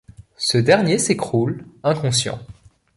Ce dernier s'écroule, inconscient.